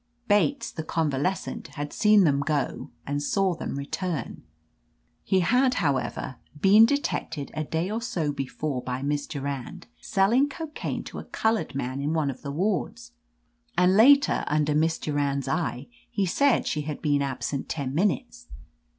Bates, the convalescent, had seen them go and saw them return. He had, how ever, been detected a day or so before by Miss Durand selling cocaine to a colored man in one 199 THE AMAZING ADVENTURES of the wards, and later, under Miss Durand's eye, he said she had been absent ten minutes.